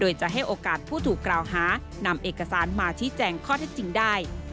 โดยจะให้โอกาสผู้ถูกกล่าวหานำเอกสารมาชี้แจงข้อเท็จจริงได้